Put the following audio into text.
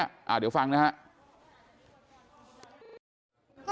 เดี๋ยวฟังนะครับ